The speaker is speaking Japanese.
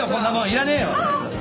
いらねえよ。